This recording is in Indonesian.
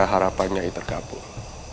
harapannya nyai tergabung